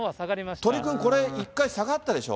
鳥くん、これ、一回下がったでしょ。